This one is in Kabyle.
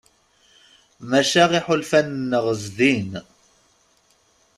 Maca iḥulfan-nneɣ zdin.